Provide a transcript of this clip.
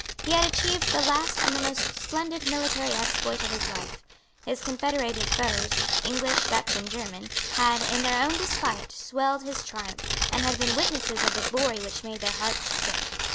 He had achieved the last and the most splendid military exploit of his life. His confederated foes, English, Dutch and German, had, in their own despite, swelled his triumph, and had been witnesses of the glory which made their hearts sick.